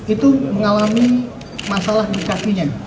itu mengalami masalah di kakinya